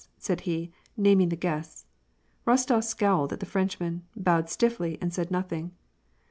said he, naming the guests. Eostof scowled at the Frenchmen, bowed stiffly, and said nothing.